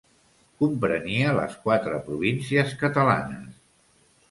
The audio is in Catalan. Comprenia les quatre províncies catalanes: